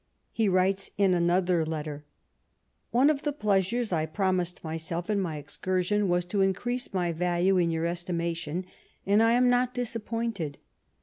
He writes in another letter :— One of the pleasures I promised myself in my excnrsion was to increase my yalne in your estimation, and I am not disappointed.